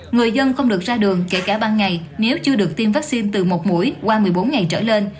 người dân không được ra đường kể cả ban ngày nếu chưa được tiêm vaccine từ một mũi qua một mươi bốn ngày trở lên